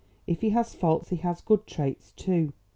If he has faults he has good traits too.